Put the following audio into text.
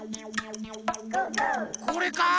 これか？